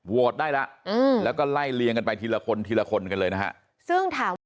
โหวตได้ละแล้วก็ไล่เลียงกันไปทีละคนทีละคนกันเลยนะฮะ